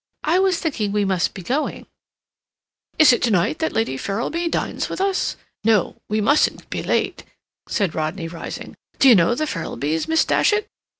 "I was thinking we must be going—" "Is it to night that Lady Ferrilby dines with us? No, we mustn't be late," said Rodney, rising. "D'you know the Ferrilbys, Miss Datchet?